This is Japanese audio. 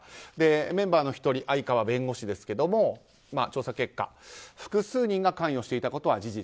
メンバーの１人相川弁護士ですけど調査結果複数人が関与していたことは事実。